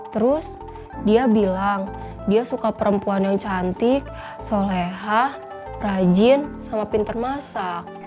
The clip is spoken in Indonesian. terus dia bilang dia suka perempuan yang cantik soleha rajin sama pinter masak